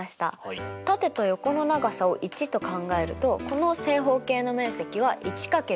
縦と横の長さを１と考えるとこの正方形の面積は１×１＝１ですよね。